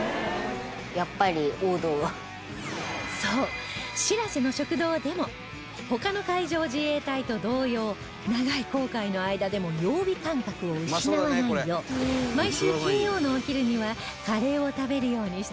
そう「しらせ」の食堂でも他の海上自衛隊と同様長い航海の間でも曜日感覚を失わないよう毎週金曜のお昼にはカレーを食べるようにしています